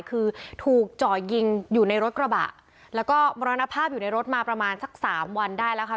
คือถูกจ่อยิงอยู่ในรถกระบะแล้วก็มรณภาพอยู่ในรถมาประมาณสักสามวันได้แล้วค่ะ